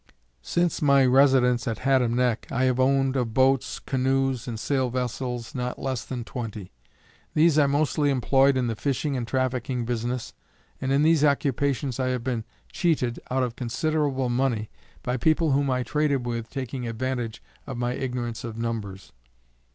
Since my residence at Haddam neck, I have owned of boats, canoes and sail vessels, not less than twenty. These I mostly employed in the fishing and trafficking business, and in these occupations I have been cheated out of considerable money by people whom I traded with taking advantage of my ignorance of numbers.